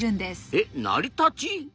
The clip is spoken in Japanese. え成り立ち？